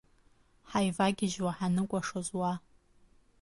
Ҳаивагьежьуа ҳаныкәашоз, уаа!